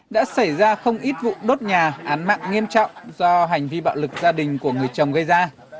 đã xảy ra không ít vụ đốt nhà án mạng nghiêm trọng do hành vi bạo lực gia đình của người chồng gây ra